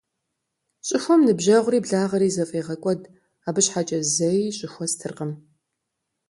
Щӏыхуэм ныбжьэгъури благъэри зэфӏегъэкӏуэд, абы щхьэкӏэ зэи щӏыхуэ стыркъым.